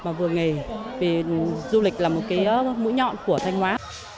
và vừa nghề vì du lịch là một mũi nhọn của thanh hóa